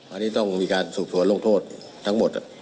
อันนี้ต้องมีการสืบสวนลงโทษทั้งหมด